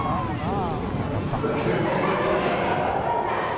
まだ全然大丈夫じゃないですか、だって。